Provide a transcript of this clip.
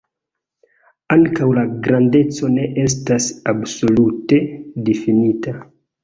Ankaŭ la grandeco ne estas absolute difinita.